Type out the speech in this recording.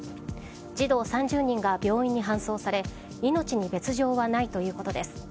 児童３０人が病院に搬送され命に別条はないということです。